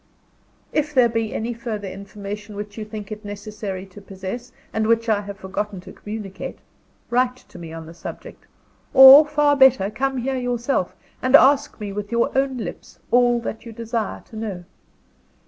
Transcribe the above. If there be any further information which you think it necessary to possess, and which I have forgotten to communicate, write to me on the subject or, far better, come here yourself, and ask of me with your own lips all that you desire to know.